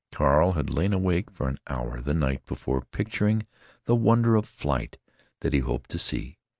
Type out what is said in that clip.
Carl had lain awake for an hour the night before, picturing the wonder of flight that he hoped to see.